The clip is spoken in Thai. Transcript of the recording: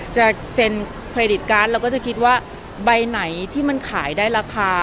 จะเซ็นเครดิตการ์ดเราก็จะคิดว่าใบไหนที่มันขายได้ราคา